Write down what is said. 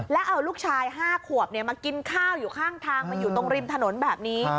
แล้วเอาลูกชาย๕ขวบมากินข้าวอยู่ข้างทางมาอยู่ตรงริมถนนแบบนี้